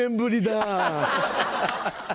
アハハハ！